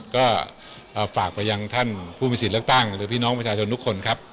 ก็ฝากไปยังท่านผู้มีสิทธิ์เลือกตั้งหรือพี่น้องประชาชนทุกคนครับ